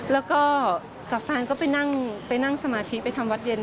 แล้วก็กับแฟนก็ไปนั่งสมาธิไปทำวัดเย็น